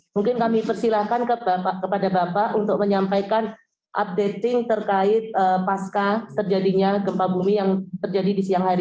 mungkin kami persilahkan kepada bapak untuk menyampaikan updating terkait pasca terjadinya gempa bumi yang terjadi di siang hari